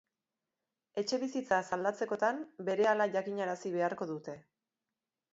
Etxebizitzaz aldatzekotan berehala jakinarazi beharko dute.